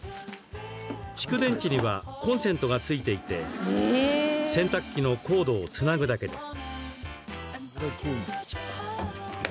蓄電池にはコンセントが付いていて洗濯機のコードをつなぐだけです。